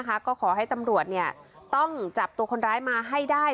ก็ขอให้ตำรวจต้องจับตัวคนร้ายมาให้ได้